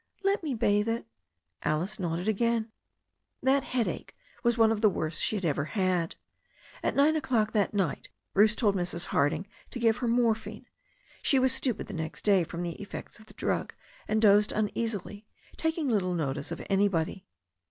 "Let me bathe it." Alice nodded again. Io6 THE STORY OF A NEW ZEALAND RIVER That headache was one of the worst she had ever had. At nine o'clock that night Bruce told Mrs. Harding to give her morphine. She was stupid the next day from the effects of the drug and dozed uneasily, taking little notice of any body.